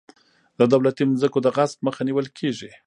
د دولتي ځمکو د غصب مخه نیول کیږي.